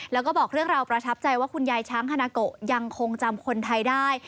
แล้วก็บอกเรื่องราวประทับใจว่าคุณยายช้างฮานาโกยังคงจำคนไทยได้